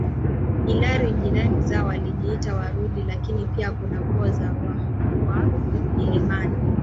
Ilhali jirani zao wakijiita warundi lakini pia kuna koo za waha wa milimani